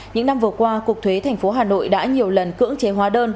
những năm vừa qua cục thuế thành phố hà nội đã nhiều lần cưỡng chế hóa đơn